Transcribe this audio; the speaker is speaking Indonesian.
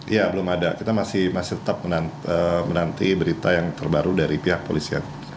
iya belum ada kita masih tetap menanti berita yang terbaru dari pihak polisian